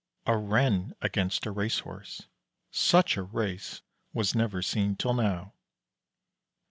A Ren against a Race horse such a race was never seen till now.